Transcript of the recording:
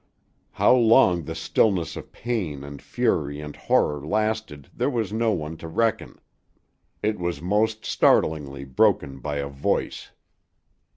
How long the stillness of pain and fury and horror lasted there was no one to reckon. It was most startlingly broken by a voice.